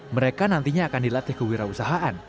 mereka nantinya akan dilatih kewirausahaan